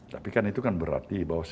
tapi kan itu kan berarti bawaslu